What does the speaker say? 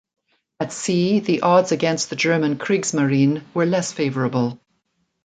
At sea, the odds against the German Kriegsmarine were less favorable.